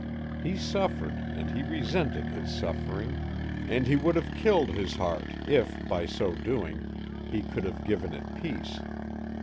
He suffered and he resented his suffering, and he would have killed his heart if, by so doing, he could have given it peace.